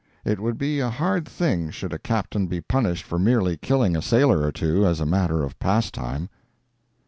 It would be a hard thing should a Captain be punished for merely killing a sailor or two, as a matter of pastime.